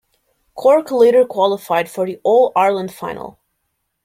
Cork later qualified for the All-Ireland final.